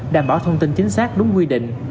đảm bảo thông tin chính xác đúng quy định